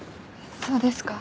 そうですか。